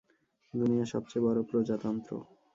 দুনিয়ার সবচেয়ে বড় প্রজাতন্ত্র।